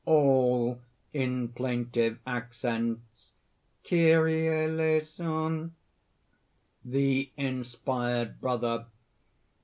ALL (in plaintive accents): "Kyrie eleison!" THE INSPIRED BROTHER.